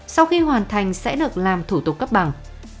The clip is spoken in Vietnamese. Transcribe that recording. sau khi hoàn thành sẽ được làm thủ tục cấp bằng